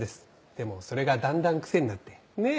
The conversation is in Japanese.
でもそれがだんだん癖になってねぇ！